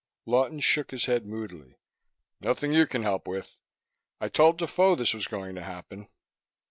Lawton shook his head moodily. "Nothing you can help with. I told Defoe this was going to happen!"